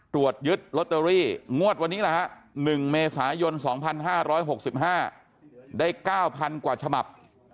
ตรวจยึดลอตเตอรี่งวดวันนี้แหละฮะ๑เมษายน๒๕๖๕ได้๙๐๐กว่าฉบับ